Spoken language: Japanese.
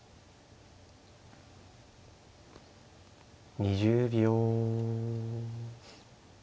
２０秒。